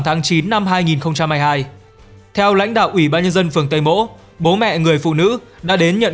tháng chín năm hai nghìn hai mươi hai theo lãnh đạo ủy ban nhân dân phường tây mỗ bố mẹ người phụ nữ đã đến nhận